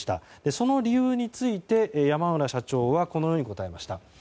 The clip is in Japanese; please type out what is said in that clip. その理由について山浦社長はこのように答えました。